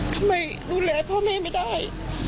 ทำไมดูแลพ่อแม่ไม่ได้